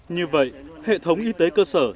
như vậy hệ thống y tế cơ sở